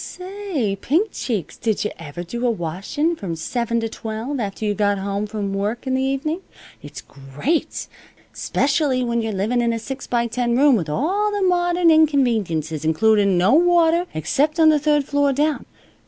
"Say, Pink Cheeks, did yuh ever do a washin' from seven to twelve, after you got home from work in the evenin'? It's great! 'Specially when you're living in a six by ten room with all the modern inconveniences, includin' no water except on the third floor down.